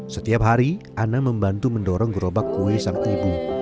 setiap hari anna membantu mendorong gerobak kue sang ibu